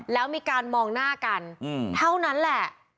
แล้วมีการมองหน้ากันเท่านั้นแหละ